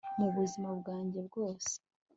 mu buzima bwanjye bwose